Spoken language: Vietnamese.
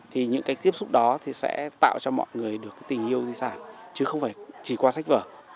thì những cái tiếp xúc đó thì sẽ tạo cho mọi người được tình yêu di sản chứ không phải chỉ qua sách vở